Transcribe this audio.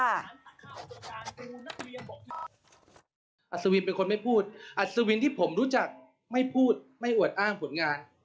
อัศวินเป็นคนไม่พูดอัศวินที่ผมรู้จักไม่พูดไม่อวดอ้างผลงาน